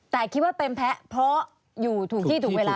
แต่คิดว่าเป็นแพ้เพราะอยู่ถูกที่ถูกเวลา